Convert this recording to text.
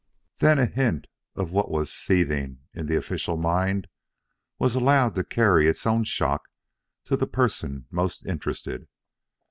Then a hint of what was seething in the official mind was allowed to carry its own shock to the person most interested.